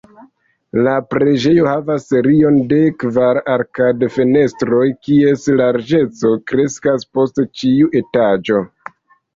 La preĝejo havas serion de kvar arkad-fenestroj kies larĝeco kreskas post ĉiu etaĝo.